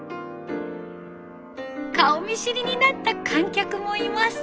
顔見知りになった観客もいます。